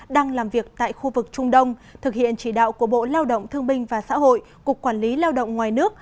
đang làm việc tại khu vực trung đông thực hiện chỉ đạo của bộ lao động thương binh và xã hội cục quản lý lao động ngoài nước